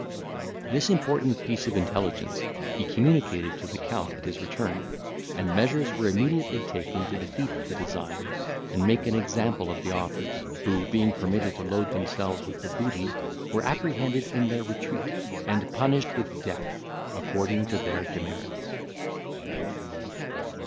This important piece of intelligence he communicated to the Count at his return, and measures were immediately taken to defeat the design, and make an example of the authors, who being permitted to load themselves with the booty, were apprehended in their retreat, and punished with death according to their demerits.